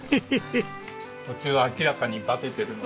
途中明らかにバテてる。